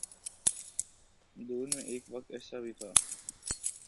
دور میں ایک وقت ایسا بھی تھا۔